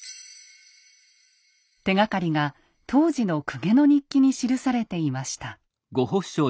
手がかりが当時の公家の日記に記されていました。